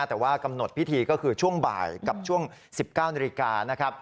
แต่ว่ากำหนดพิธีก็คือช่วงบ่ายกับช่วง๑๙นาฬิกานะครับ